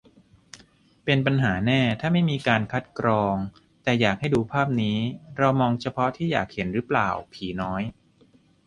เป็นปัญหาแน่ถ้าไม่มีการคัดกรอง แต่อยากให้ดูภาพนี้ เรามองเฉพาะที่อยากเห็นรึเปล่า ผีน้อย